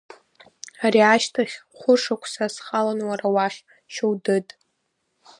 Ари ашьҭахь хәышықәса схалон уара уахь, Шьоудыд.